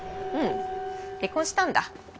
うん離婚したんだ。